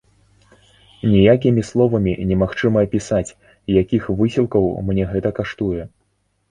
Ніякімі словамі немагчыма апісаць, якіх высілкаў мне гэта каштуе.